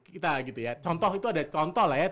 kita gitu ya contoh itu ada contoh lah ya